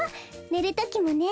ねるときもね。